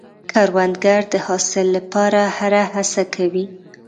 کروندګر د حاصل لپاره هره هڅه کوي